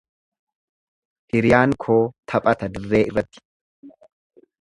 Hiriyyaan koo taphata dirree irratti.